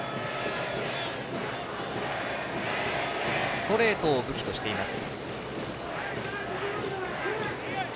ストレートを武器としています。